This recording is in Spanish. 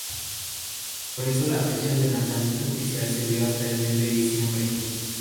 Por eso la fecha del lanzamiento oficial se dio hasta el mes de diciembre.